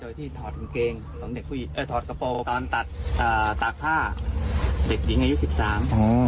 โดยที่ถอดกระโปร์ตอนตัดตากผ้าเด็กหญิงอายุสิบสาม